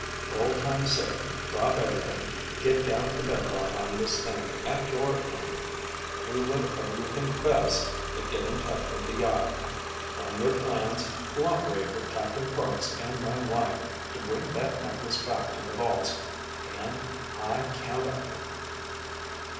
For old times' sake, drop everything, get down to bedrock on this thing at your end—do whatever you think best, but get in touch with the yacht, learn their plans, cooperate with Captain Parks and my wife to bring that necklace back to the vaults, and—I count on you!"